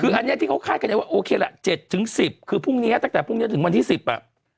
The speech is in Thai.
แต่เนี่ยที่เขาคาดกันเนี่ยว่าโอเคละ๗๑๐คือพรุ่งเนี้ยตั้งแต่พรุ่งเนี้ยถึงวันที่๑๐อ่ะ